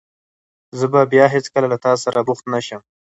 زه به بیا هېڅکله له تاسره بوخت نه شم.